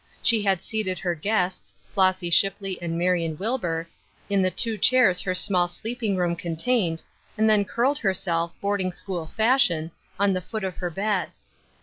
She had seated her guests — Flossy Shipley and Marion Wilbur — in the two chairs her small sleeping room contained, and then curled herself, boarding school fashion, on the foot of her bed.